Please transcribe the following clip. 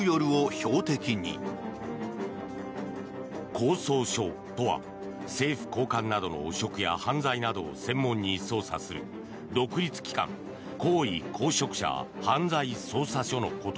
公捜処とは政府高官などの汚職や犯罪などを専門に捜査する独立機関高位公職者犯罪捜査処のこと。